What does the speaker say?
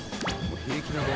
・平気な顔・